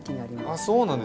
あっそうなんですね。